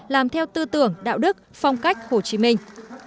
làm theo tư tưởng đạo đức phong cách hồ chí minh